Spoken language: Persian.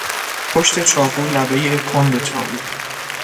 پشت چاقو، لبهی کند چاقو